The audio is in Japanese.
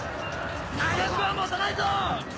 長くは持たないぞ！